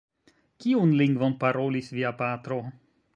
Kiun lingvon parolis via patro?